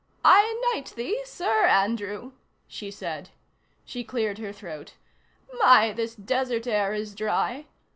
"I knight thee Sir Andrew," she said. She cleared her throat. "My, this desert air is dry....